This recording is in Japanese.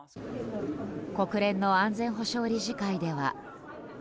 国連の安全保障理事会では。